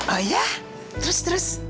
oh ya terus terus